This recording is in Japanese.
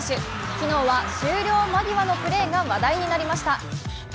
昨日は終了間際のプレーが話題になりました。